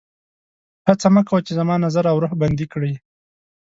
هڅه مه کوه چې زما نظر او روح بندي کړي